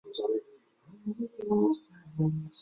首府由提卡。